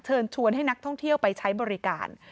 เชิญชวนให้นักท่องเที่ยวไปใช้บริการ